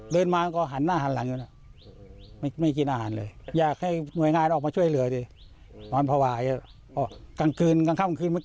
เลือดมาก็หันหน้าหันหลังอยู่นะ